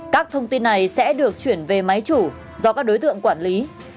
các thông tin này sẽ được chuyển về máy chủ do các đối tượng quản lý